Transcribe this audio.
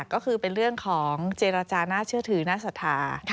ก็คือเป็นเรื่องของเจรจาน่าเชื่อถือน่าศรัทธา